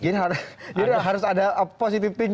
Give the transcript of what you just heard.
jadi harus ada positifin